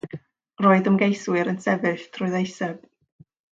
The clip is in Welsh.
Roedd ymgeiswyr yn sefyll trwy ddeiseb.